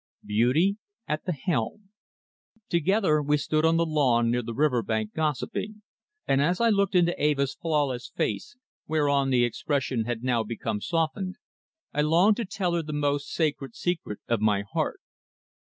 BEAUTY AT THE HELM. Together we stood on the lawn near the river bank gossiping, and as I looked into Eva's flawless face, whereon the expression had now become softened, I longed to tell her the most sacred secret of my heart.